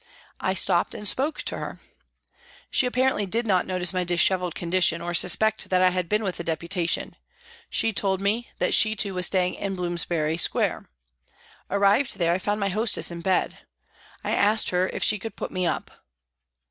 I stopped and spoke to her. She apparently did not notice my dishevelled condition or suspect that I had been with the Deputation. She told me that she too was staying in Bloomsbury Square. Arrived there, I found my hostess in bed. I asked her if she could put me up.